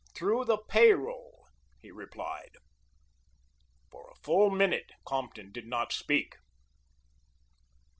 "Through the pay roll," he replied. For a full minute Compton did not speak.